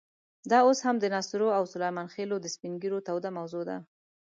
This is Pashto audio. دا اوس هم د ناصرو او سلیمان خېلو د سپین ږیرو توده موضوع ده.